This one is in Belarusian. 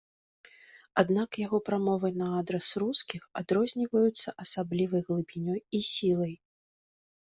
Аднак яго прамовы на адрас рускіх адрозніваюцца асаблівай глыбінёй і сілай.